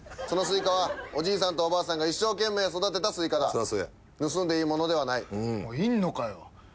そのスイカはおじいさんとおばあさんが一生懸命育てたスイカだ盗んでいいものではないおいいんのかよ